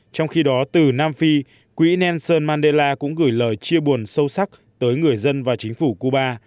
trong khi đó từ nam phi quỹ nelson mandela cũng gửi lời chia buồn sâu sắc tới người dân và chính phủ cuba